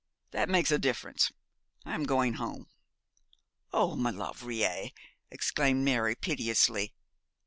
That makes a difference. I am going home.' 'Oh, Maulevrier!' exclaimed Mary, piteously.